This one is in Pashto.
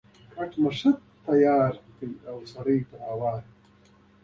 کټ مې ښه تیار او توس پرې هوار وو.